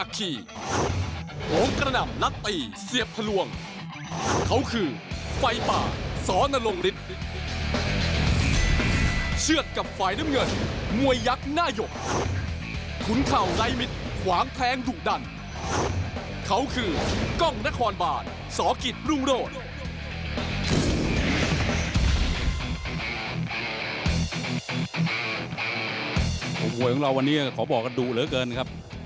มวยของเราวันนี้ขอบอกกันดูเหลือเกินครับ